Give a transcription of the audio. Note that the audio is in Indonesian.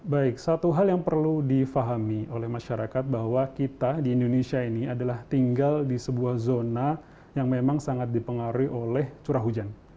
baik satu hal yang perlu difahami oleh masyarakat bahwa kita di indonesia ini adalah tinggal di sebuah zona yang memang sangat dipengaruhi oleh curah hujan